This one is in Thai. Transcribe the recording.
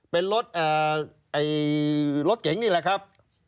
เป็นรถเก๋งนี่แหละครับ